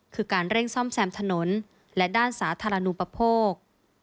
คือการเร่งซ่อมแซมถนนและด้านสาธารณูปโภค